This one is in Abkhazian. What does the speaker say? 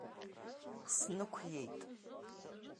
Снықәиеит.